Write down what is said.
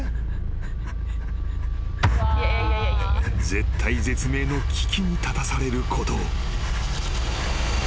［絶体絶命の危機に立たされることを］